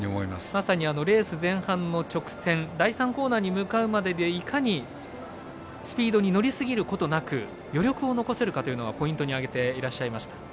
まさにレース前半の直線第３コーナーに向かうまででいかにスピードに乗りすぎることなく余力を残せるかというのをポイントに挙げておられました。